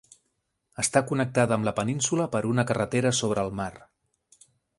Està connectada amb la península per una carretera sobre el mar.